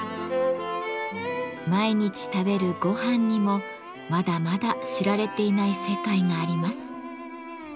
毎日食べる「ごはん」にもまだまだ知られていない世界があります。